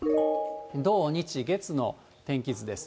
土、日、月の天気図です。